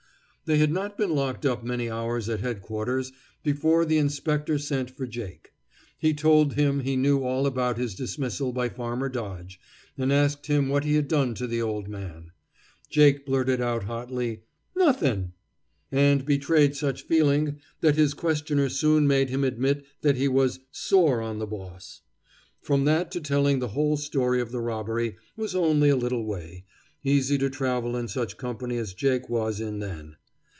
They had not been locked up many hours at Headquarters before the inspector sent for Jake. He told him he knew all about his dismissal by Farmer Dodge, and asked him what he had done to the old man. Jake blurted out hotly, "Nothin'," and betrayed such feeling that his questioner soon made him admit that he was "sore on the boss." From that to telling the whole story of the robbery was only a little way, easy to travel in such company as Jake was in then.